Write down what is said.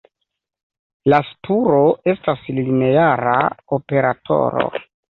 La spuro estas lineara operatoro.